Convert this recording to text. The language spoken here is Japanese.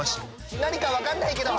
なにかわかんないけど。